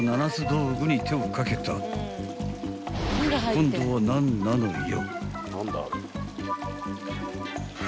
［今度は何なのよ？］